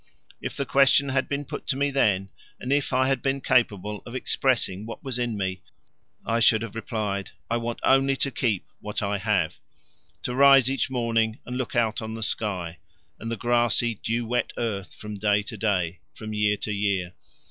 If the question had been put to me then, and if I had been capable of expressing what was in me, I should have replied: I want only to keep what I have; to rise each morning and look out on the sky and the grassy dew wet earth from day to day, from year to year.